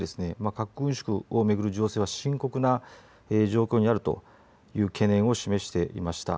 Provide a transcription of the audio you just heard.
核軍縮を巡る深刻な状況にあると懸念を示していました。